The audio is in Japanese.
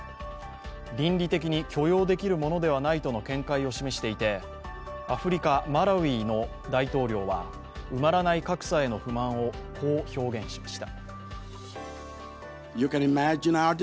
倫理的に許容できるものではないとの見解を示していて、アフリカ・マラウイの大統領は埋まらない格差への不満をこう表現しました。